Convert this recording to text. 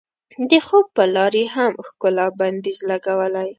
د خوب په لار یې هم ښکلا بندیز لګولی.